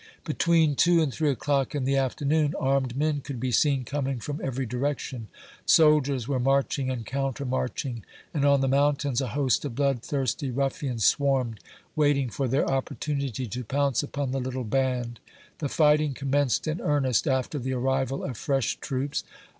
Between two and three o'clock in the afternoon, armed men could be seen coming from every direction; soldiers were marching and counter marching ; and on the mountains, a host of blood thirsty ruffians swarmed* waiting for their opportunity to pounce upon the little band. The fighting commenced in earnest after the arrival of fresh troops.